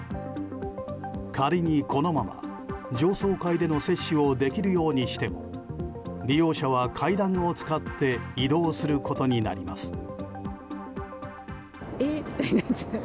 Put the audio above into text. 仮に、このまま上層階での接種をできるようにしても利用者は階段を使って移動することになります。